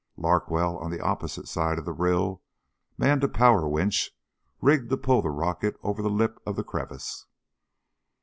Larkwell on the opposite side of the rill manned a power winch rigged to pull the rocket over the lip of the crevice.